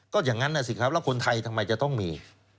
ก็อย่างนั้นนะสิครับแล้วคนไทยทำไมจะต้องมี